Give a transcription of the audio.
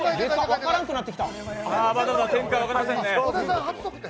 まだまだ展開分かりませんね。